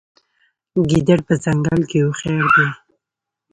ګیدړ په ځنګل کې هوښیار دی.